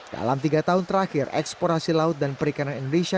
dalam tiga tahun terakhir eksplorasi laut dan perikanan indonesia